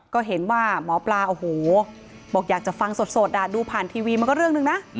ก็เห็นว่าหมอปลาโอ้โหบอกอยากจะฟังสดดูผ่านทีวีมันก็เรื่องหนึ่งนะ